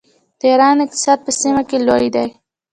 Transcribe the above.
د ایران اقتصاد په سیمه کې لوی دی.